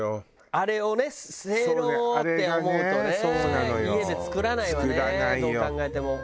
あれをねせいろって思うとね家で作らないわねどう考えても。